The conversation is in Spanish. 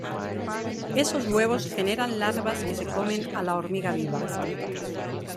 Esos huevos generan larvas que se comen a la hormiga viva.